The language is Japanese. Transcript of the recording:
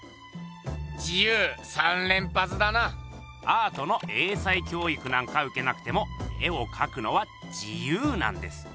アートの英才教育なんかうけなくても絵をかくのは自由なんです。